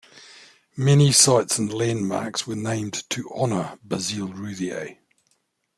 Many sites and landmarks were named to honour Basile Routhier.